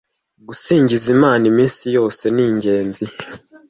gusingiza Imana iminsi yose ningenzi